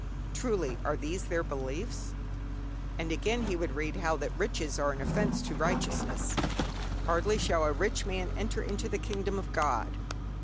Truly, are these their beliefs? And, again, he would read how that riches are an offence to righteousness: hardly shall a rich man enter into the kingdom of God.